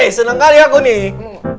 eh seneng kali aku nih